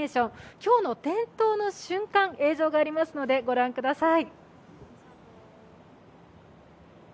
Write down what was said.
今日の点灯の瞬間映像がありますので御覧ください。